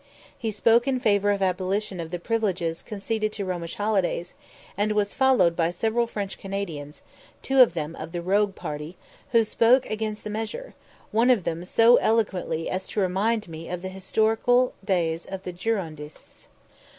He spoke in favour of the abolition of the privileges conceded to Romish holidays, and was followed by several French Canadians, two of them of the Rouge party, who spoke against the measure, one of them so eloquently as to remind me of the historical days of the Girondists.